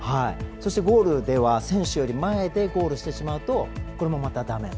そしてゴールでは、選手より前でゴールしてしまうとこれもまただめ。